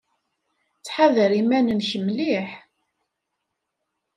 Ttḥadar iman-nnek mliḥ.